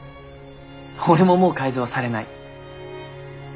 俺ももう改造はされない。